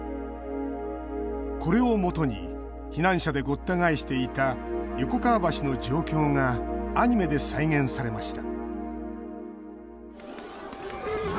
これをもとに避難者でごった返していた横川橋の状況がアニメで再現されました